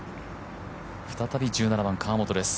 再び１７番、河本。